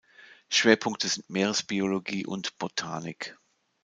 Schwerpunkte sind Meeresbiologie und Botanik.